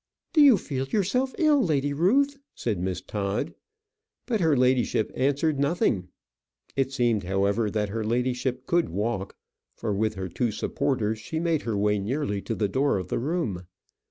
"Do you feel yourself ill, Lady Ruth?" said Miss Todd. But her ladyship answered nothing. It seemed, however, that her ladyship could walk, for with her two supporters she made her way nearly to the door of the room.